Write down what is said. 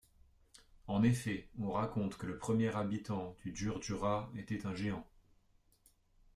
En effet, on raconte que le premier habitant du Djurdjura était un géant.